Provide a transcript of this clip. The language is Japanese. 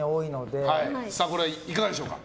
いかがでしょうか？